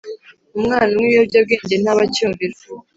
. Umwana unywa ibiyobyabwenge ntaba acyumvira